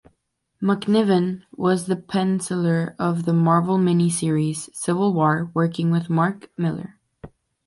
McNiven was the penciller of the Marvel mini-series "Civil War" working with Mark Millar.